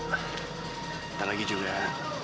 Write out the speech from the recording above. tak lagi juga